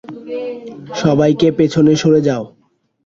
সবাইকে পেছনে সরে যাও।